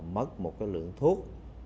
mất một cái lượng thuốc